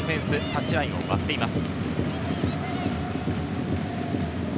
タッチラインを割っています。